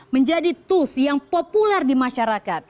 menjadi tools yang populer di masyarakat